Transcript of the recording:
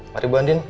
mari ibu andin